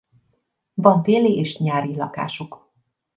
Van téli és nyári lakásuk.